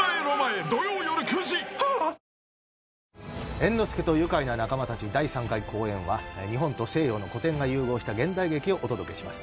猿之助と愉快な仲間たち第３回公演は日本と西洋の古典が融合した現代劇をお届けします。